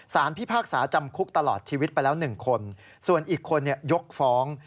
พิพากษาจำคุกตลอดชีวิตไปแล้ว๑คนส่วนอีกคนยกฟ้อง